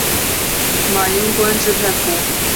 马英官至太仆。